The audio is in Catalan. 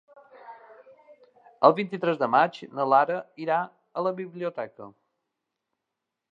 El vint-i-tres de maig na Lara irà a la biblioteca.